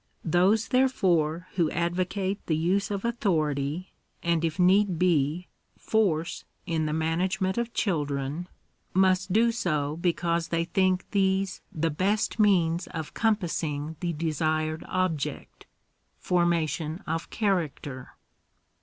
Those, I therefore, who advocate the use of authority, and if need be' — force in the management of children, must do so because they think these the best means of compassing the desired object — formation of character.